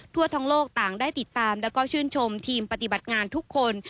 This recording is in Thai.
ทั่วท้องโลกต่างได้ติดตามแล้วก็ชื่นชมทีมปฏิบัติงานทุกคน